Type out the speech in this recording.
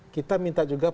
kita minta juga perlakuan